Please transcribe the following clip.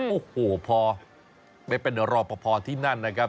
โอ้โหพอไปเป็นรอปภที่นั่นนะครับ